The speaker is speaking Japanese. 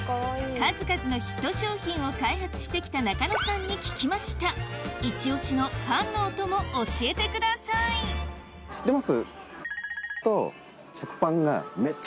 数々のヒット商品を開発してきた中野さんに聞きましたイチオシのパンのお供教えてください知ってます？